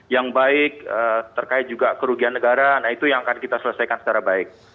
yang baik terkait juga kerugian negara nah itu yang akan kita selesaikan secara baik